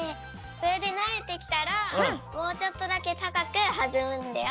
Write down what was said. それでなれてきたらもうちょっとだけたかくはずむんだよ。